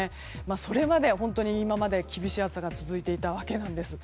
それまで本当に今まで厳しい暑さが続いていたわけなんです。